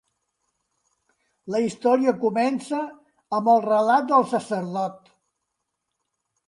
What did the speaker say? La història comença amb el relat del sacerdot.